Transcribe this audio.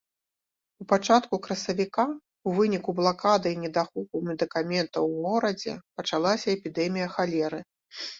У пачатку красавіка ў выніку блакады і недахопу медыкаментаў у горадзе пачалася эпідэмія халеры.